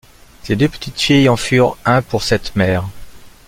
Ces deux petites filles en furent un pour cette mère.